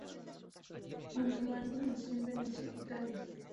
Mantovani nació en Venecia, Italia.